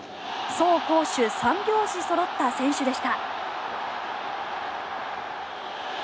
走攻守３拍子そろった選手でした。